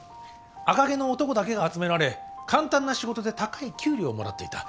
赤毛の男だけが集められ簡単な仕事で高い給料をもらっていた。